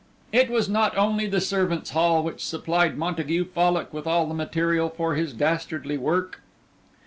It was not only the servants' hall which supplied Montague Fallock with all the material for his dastardly work.